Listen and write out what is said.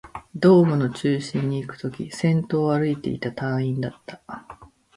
ドームの中心にいくとき、先頭を歩いていた隊員だった